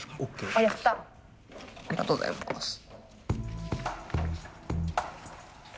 ありがとうございます。